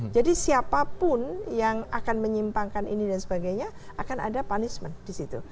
jadi siapapun yang akan menyimpangkan ini dan sebagainya akan ada punishment di situ